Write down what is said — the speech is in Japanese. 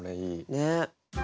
ねっ。